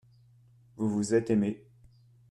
vous, vous êtes aimé.